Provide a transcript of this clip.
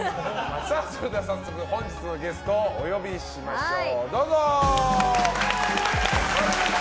それでは早速本日のゲストをお呼びしましょう。